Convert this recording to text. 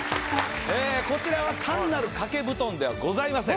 こちらは単なる掛け布団ではございません。